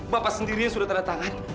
bapak sendirian sudah tanda tangan